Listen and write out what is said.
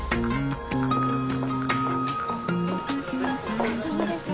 お疲れさまです。